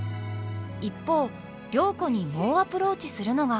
一方良子に猛アプローチするのが。